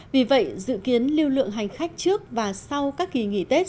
vì vậy dự kiến lưu lượng hành khách trước và sau các kỳ nghỉ tết